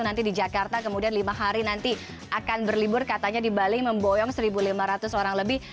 jadi di jakarta kemudian lima hari nanti akan berlibur katanya di bali memboyong seribu lima ratus orang lebih